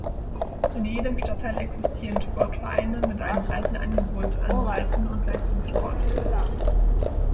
In jedem Stadtteil existieren Sportvereine mit einem breiten Angebot an Breiten- und Leistungssport.